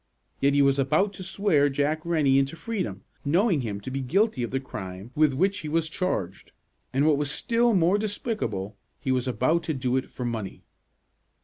Yet he was about to swear Jack Rennie into freedom, knowing him to be guilty of the crime with which he was charged, and, what was still more despicable, he was about to do it for money.